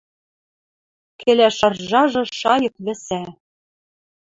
Кӹляш аржажы шайык вӹсӓ.